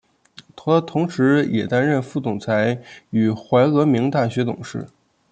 他同时也担任副总裁与怀俄明大学董事。